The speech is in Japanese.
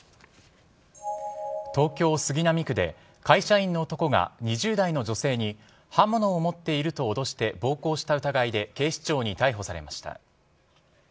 東京・杉並区で会社員の男が２０代の女性に刃物を持っていると脅して暴行した疑いで警視庁に逮捕されました。